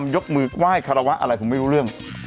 ยกมือไหว้คารวะอะไรผมไม่รู้เรื่อง